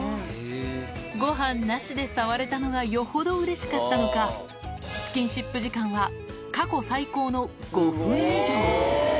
ごはんなしで触れたのが、よほどうれしかったのか、スキンシップ時間は、過去最高の５分以上。